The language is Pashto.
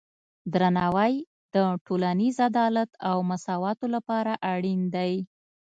درناوی د ټولنیز عدالت او مساواتو لپاره اړین دی.